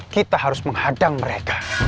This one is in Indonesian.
kita harus menghadang mereka